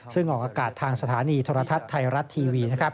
ซึ่งออกอากาศทางสถานีโทรทัศน์ไทยรัฐทีวี